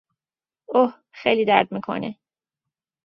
اوه، خیلی درد میکنه!